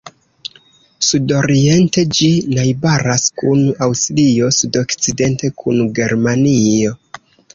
Sudoriente ĝi najbaras kun Aŭstrio, sudokcidente kun Germanio.